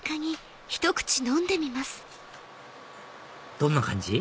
どんな感じ？